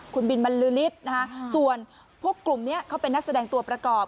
คุณบินบรรลือฤทธิ์ส่วนพวกกลุ่มนี้เขาเป็นนักแสดงตัวประกอบ